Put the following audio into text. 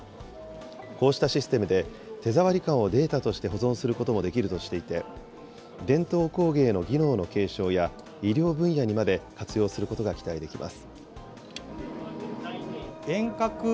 こうしたシステムで、手触り感をデータとして保存することもできるとしていて、伝統工芸の技能の継承や、医療分野にまで活用することが期待できます。